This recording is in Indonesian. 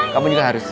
kamu juga harus